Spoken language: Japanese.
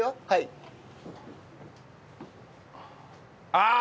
ああ！